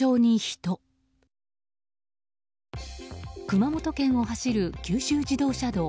熊本県を走る九州自動車道。